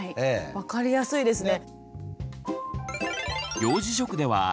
分かりやすいですね。